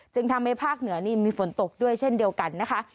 จึงทำให้ภาคเหนือนี่มีฝนตกด้วยเช่นเดียวกันนะคะ